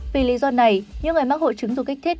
vì lý do này những người mắc hội chứng dù kích thích